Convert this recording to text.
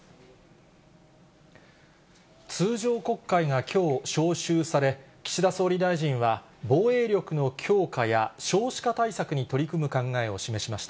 通常国会がきょう、召集され、岸田総理大臣は、防衛力の強化や少子化対策に取り組む考えを示しました。